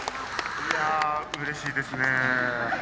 いやうれしいですね。